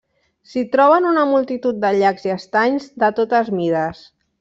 S'hi troben una multitud de llacs i estanys de totes mides.